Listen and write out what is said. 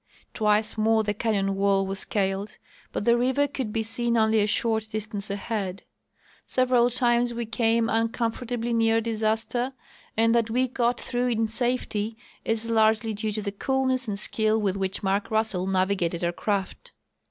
Twice more the canyon wall was scaled, but the river could be seen only a short distance ahead. Several times Ave came uncom fortably near disaster, and that we got through in safety is largely due to the coolness and skill witli which Mark Russell navigated our craft.